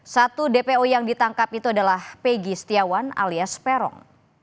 satu dpo yang ditangkap itu adalah pegi setiawan alias peron